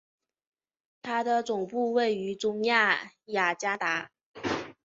它的总部位于中亚雅加达。